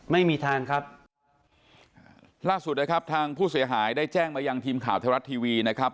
ไม่มีทางครับล่าสุดนะครับทางผู้เสียหายได้แจ้งมายังทีมข่าวไทยรัฐทีวีนะครับ